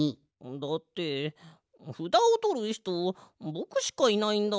だってふだをとるひとぼくしかいないんだもん。